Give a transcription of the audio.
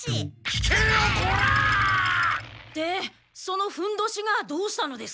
聞けよコラ！でそのふんどしがどうしたのですか？